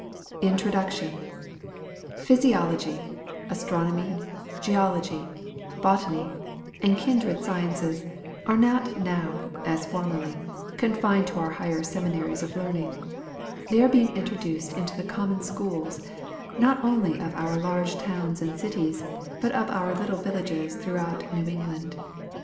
INTRODUCTION. Physiology, Astronomy, Geology, Botany, and kindred sciences, are not now, as formerly, confined to our higher seminaries of learning. They are being introduced into the common schools, not only of our large towns and cities, but of our little villages throughout New England.